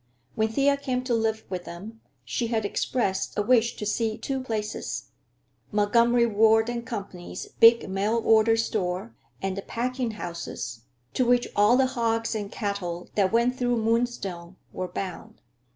When Thea came to live with them she had expressed a wish to see two places: Montgomery Ward and Company's big mail order store, and the packing houses, to which all the hogs and cattle that went through Moonstone were bound.